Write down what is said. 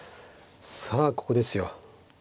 さあここですよ。